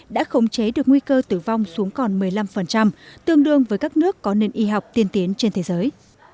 đã khống chế được nguy cơ tử vong xuống còn một mươi năm tương đương với các nước có nền y học tiên tiến trên thế giới